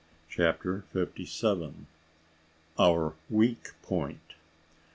CHAPTER FIFTY SEVEN. OUR WEAK POINT.